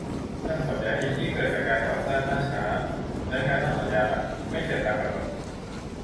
การขนย้ายดินที่เกิดจากการก่อสร้างล่าช้า และ งานนอกสัญญาหลักไม่เสร็จตามกำหนด